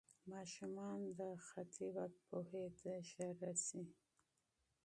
ماشومان د خطي وخت پوهې ته ژر رسي.